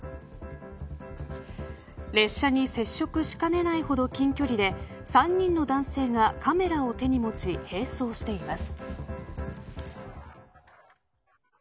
列車に接触しかねないほど近距離で３人の男性が、カメラを手に持ち併走しています。